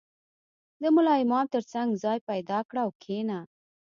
• د ملا امام تر څنګ ځای پیدا کړه او کښېنه.